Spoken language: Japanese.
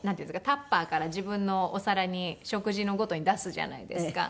タッパーから自分のお皿に食事のごとに出すじゃないですか。